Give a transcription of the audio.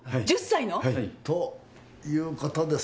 ということですな。